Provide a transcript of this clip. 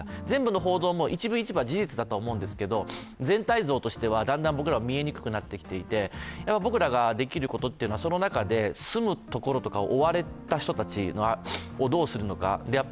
全部の報道も一部一部は事実だと思うんですけれども、全体像としてはだんだん僕らは見えにくくなってきていて、僕らができることというのは、その中で住む所を追われた人たちをどうするのか。